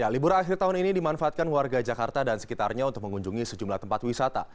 libur akhir tahun ini dimanfaatkan warga jakarta dan sekitarnya untuk mengunjungi sejumlah tempat wisata